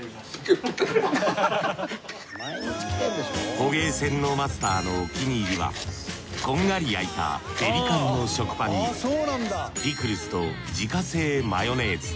捕鯨舩のマスターのお気に入りはこんがり焼いたペリカンの食パンにピクルスと自家製マヨネーズ